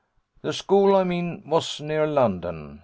'The school I mean was near London.